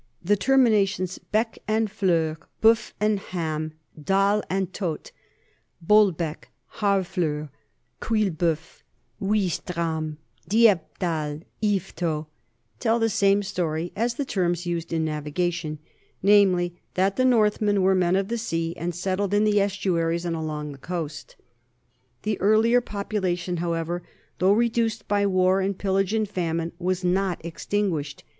The termi nations bee and fleur, beuf and ham and dalle and tot Bolbec, Harfleur, Quillebeuf, Ouistreham, Dieppedalle, Yvetot tell the same story as the terms used in navi gation, namely that the Northmen were men of the sea and settled in the estuaries and along the coast. The earlier population, however, though reduced by war and pillage and famine, was not extinguished.